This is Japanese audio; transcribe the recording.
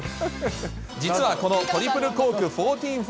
実はこのトリプルコーク１４４０。